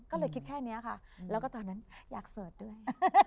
ก็เลยคิดแค่นี้ค่ะแล้วก็ตอนนั้นอยากเสิร์ชด้วย